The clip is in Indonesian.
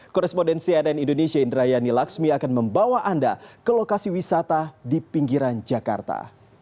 korespondensi ann indonesia indrayani laksmi akan membawa anda ke lokasi wisata di pinggiran jakarta